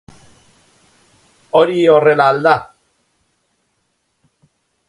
Hori horrela al da?